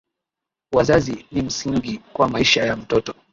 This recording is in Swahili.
Wazazi ni msingi kwa maisha ya mtoto